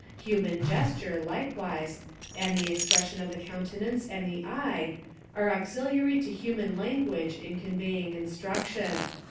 Human gesture, likewise, and the expression of the countenance and the eye, are auxiliary to human language in conveying instruc tion.